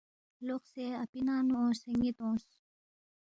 لوقسے اپی ننگ نُو اونگسے نِ٘ت اونگس